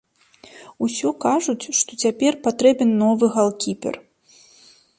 Усё кажуць, што цяпер патрэбен новы галкіпер.